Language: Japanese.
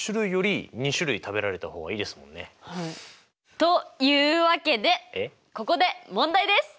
というわけでここで問題です！